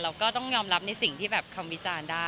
เราก็ต้องยอมรับในสิ่งที่เขาวิจารณ์ได้